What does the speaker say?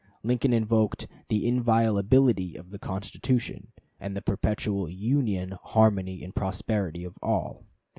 Lincoln invoked "the inviolability of the Constitution, and the perpetual union, harmony, and prosperity of all."